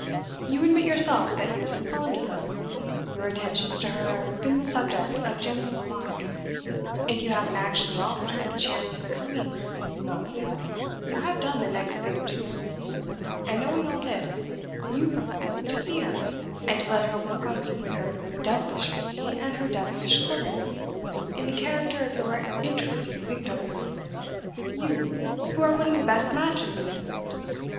You admit yourself that you have been fond of her; your attentions to her have been the subject of general remark; if you haven't actually offered her the chance of becoming Mrs. Armadale, you have done the next thing to it; and knowing all this, you propose to see her, and to let her work on you with her devilish beauty and her devilish cleverness, in the character of your interesting victim! You, who are one of the best matches in England!